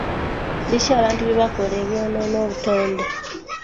Biki abantu bye bakola ebyonoona obutonde?